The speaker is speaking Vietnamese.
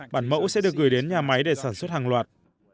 bản mẫu sẽ được gửi đến nhà máy để sản xuất hàng loạt